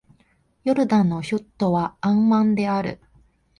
ヨルダンの首都はアンマンである